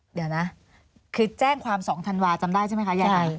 เดี๋ยวนะคือแจ้งความ๒ธันวาจำได้ใช่ไหมคะยายไอ